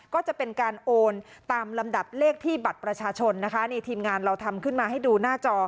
ก็จะเป็นการโอนตามลำดับเลขที่บัตรประชาชนนะคะนี่ทีมงานเราทำขึ้นมาให้ดูหน้าจอ